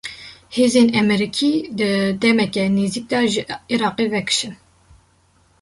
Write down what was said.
Hêzên Emerîkî, dê di demeke nêzik de ji Iraqê vekişin